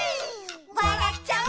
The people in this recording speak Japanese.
「わらっちゃう」